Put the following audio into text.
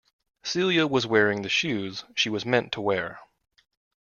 Celia was wearing the shoes she was meant to wear.